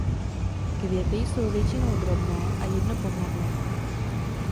Květy jsou většinou drobné a jednopohlavné.